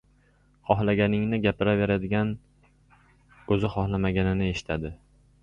• Xohlaganini gapiraveradigan o‘zi xohlamaganini eshitadi.